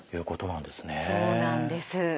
そうなんです。